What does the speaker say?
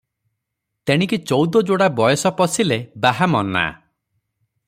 ତେଣିକି ଚଉଦ ଯୋଡ଼ା ବୟସ ପଶିଲେ ବାହା ମନା ।